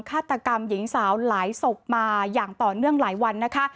ฆาตกรรมหญิงสาวหลายศพมาอย่างต่อเนื่องหลายวันนะคะ